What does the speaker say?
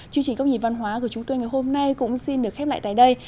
chương trình góc nhìn văn hóa của chúng tôi ngày hôm nay cũng xin được khép lại tại đây